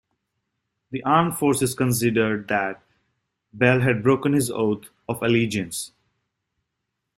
The armed forces considered that Bell had broken his Oath of Allegiance.